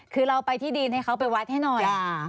คือเราไปที่ดินให้เขาไปวัดให้หน่อย